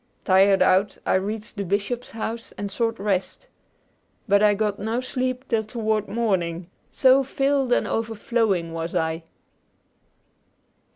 Tired out, I reached the bishop's house and sought rest. But I got no sleep till toward morning, so filled and overflowing was I.